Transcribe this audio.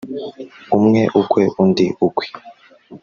umwe ukwe, undi ukwe.